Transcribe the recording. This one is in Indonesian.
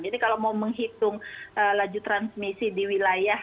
jadi kalau mau menghitung laju transmisi di wilayah